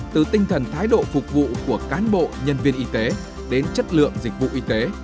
từ tinh thần thái độ phục vụ của cán bộ nhân viên y tế đến chất lượng dịch vụ y tế